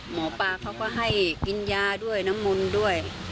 หมอปลาเขาก็ให้น้ำมนต์ด้วย